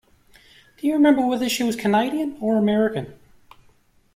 Do you remember whether she was Canadian or American?